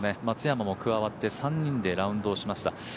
松山も加わって３人でラウンドをしました。